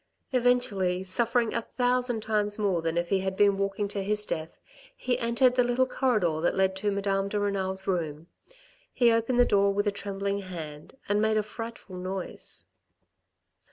Eventually, suffering a thousand times more than if he had been walking to his death, he entered the little corridor that led to Madame de Renal's room. He opened the door with a trembling hand and made a frightful noise.